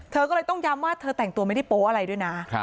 เธอก็เลยต้องย้ำว่าเธอแต่งตัวไม่ได้โป๊ะอะไรด้วยนะ